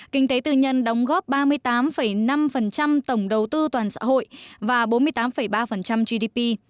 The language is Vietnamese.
kinh tế tư nhân đóng góp ba mươi tám năm tổng đầu tư toàn xã hội và bốn mươi tám ba gdp